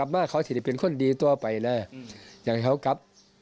พาวิตาพาน้อยนะครับ